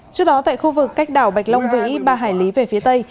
trước đó tại khu vực cách đảo bạch long vĩ ba hải lý về phía tây